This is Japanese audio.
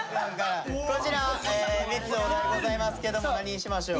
こちら３つお題ございますけども何にしましょう？